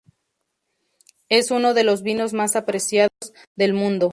Es uno de los vinos más apreciados del mundo.